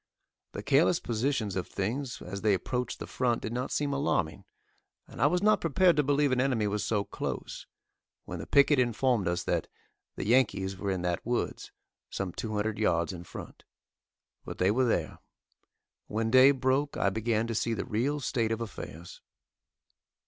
The careless positions of things as they approached the front did not seem alarming, and I was not prepared to believe an enemy was so close, when the picket informed us that "the Yankees were in that woods," some two hundred yards in front. But they were there. When day broke, I began to see the real state of affairs.